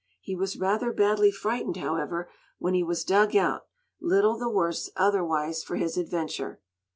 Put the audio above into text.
He was rather badly frightened, however, when he was dug out, little the worse, otherwise, for his adventure.